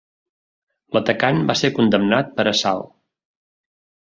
L'atacant va ser condemnat per assalt.